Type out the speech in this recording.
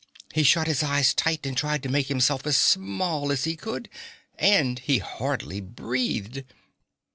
He shut his eyes tight and tried to make himself as small as he could. And he hardly breathed.